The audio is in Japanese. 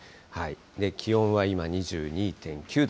気温は今２２．９度。